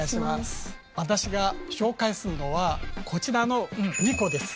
私が紹介するのはこちらの二胡です。